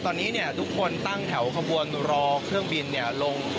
ตอนนี้เนี่ยทุกคนตั้งแถวขบวนรอเครื่องบินเนี่ยลง